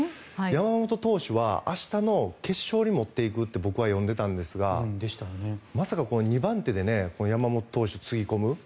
山本投手は明日の決勝に持っていくって僕は読んでたんですがまさか２番手で山本投手をつぎ込む。